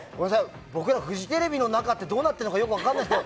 僕らフジテレビの中どうなってるのか分からないですけど